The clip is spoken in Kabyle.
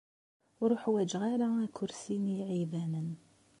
Ur uḥwaǧeɣ ara akersi n yiɛibanen.